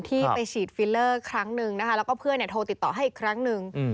ที่ไปฉีดฟิลเลอร์ครั้งหนึ่งนะคะแล้วก็เพื่อนโทรติดต่อให้อีกครั้งหนึ่ง